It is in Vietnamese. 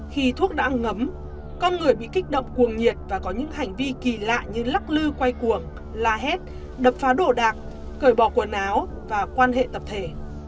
khi thuốc đã ngấm con người bị kích động cuồng nhiệt và có những hành vi kỳ lạ như lắc lư quay cuồng la hét đập phá đồ đạc cởi bỏ quần áo và quan hệ tập thể